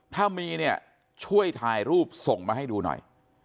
ถ้ามีเนี่ยช่วยถ่ายรูปส่งมาให้ดูหน่อย